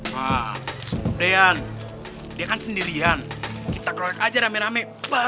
hah udayan dia kan sendirian kita grorek aja rame rame